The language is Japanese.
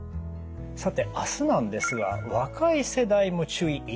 さてあすなんですが「若い世代も注意！